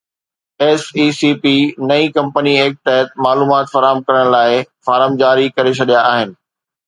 S E C P نئين company act تحت معلومات فراهم ڪرڻ لاءِ فارم جاري ڪري ڇڏيا آهن